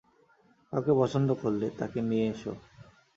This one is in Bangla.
কাউকে পছন্দ করলে, তাকে নিয়ে এসো।